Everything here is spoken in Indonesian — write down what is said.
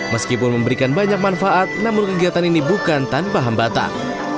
meskipun memberikan banyak manfaat namun kegiatan ini bukan tanpa hambatan